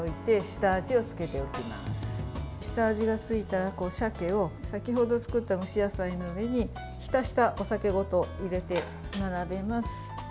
下味がついたら鮭を先ほど作った蒸し野菜の上に浸したお酒ごと入れて並べます。